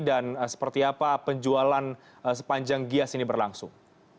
dan seperti apa penjualan sepanjang gias ini berlangsung